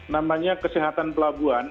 namanya kesehatan pelabuhan